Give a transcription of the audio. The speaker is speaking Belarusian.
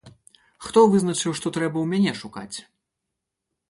Хто вызначыў, што трэба ў мяне шукаць?